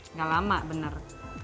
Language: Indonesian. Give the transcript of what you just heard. enggak lama benar